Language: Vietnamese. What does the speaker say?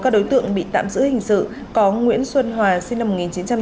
đối tượng bị tạm giữ hình sự có nguyễn xuân hòa sinh năm một nghìn chín trăm chín mươi hai